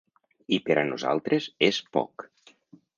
I per a nosaltres és poc.